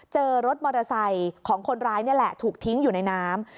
เจอรถมอเตอร์ไซค์ของคนร้ายนี่แหละถูกทิ้งอยู่ในน้ำ